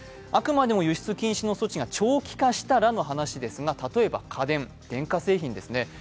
あくまでも輸出禁止の措置が長期化したらの話ですが、例えば家電、電化製品ですね。